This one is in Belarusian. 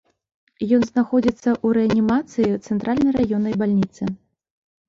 Ён знаходзіцца ў рэанімацыі цэнтральнай раённай бальніцы.